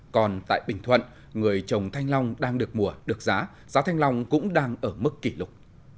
còn tại bình thuận người chồng thanh long đang được mùa được giá giá thanh long cũng đang ở mức kỷ lục